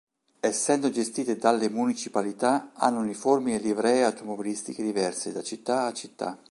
Essendo gestite dalle municipalità, hanno uniformi e livree automobilistiche diverse da città a città.